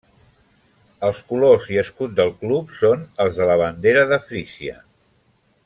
Els colors i escut del club són els de la bandera de Frísia.